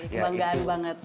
iya kebanggaan banget